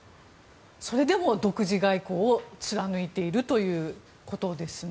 それでも独自外交を貫いているということですね。